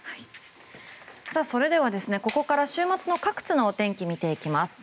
ここからは週末の各地のお天気を見ていきます。